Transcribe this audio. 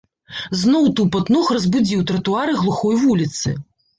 Зноў тупат ног разбудзіў тратуары глухой вуліцы.